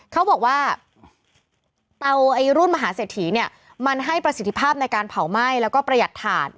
เขาบอกว่าเอาไอ้รุ่นมหาเศรษฐีเนี่ยมันให้ประสิทธิภาพในการเผาไหม้แล้วก็ประหยัดถาด